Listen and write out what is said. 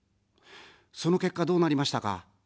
その結果、どうなりましたか。